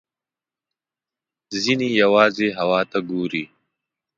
ځینې یوازې هوا ته ګوري.